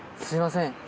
すみません！